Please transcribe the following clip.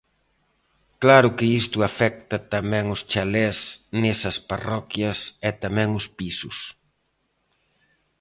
Claro que isto afecta tamén os chalés nesas parroquias e tamén os pisos.